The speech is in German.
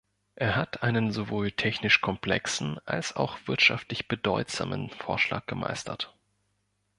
Er hat einen sowohl technisch komplexen als auch wirtschaftlich bedeutsamen Vorschlag gemeistert.